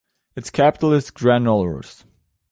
Its capital is Granollers.